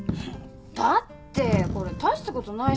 だってこれ大したことないし。